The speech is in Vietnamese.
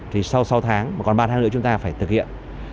thì sau sáu tháng mà còn ba tháng nữa chúng ta phải thực hiện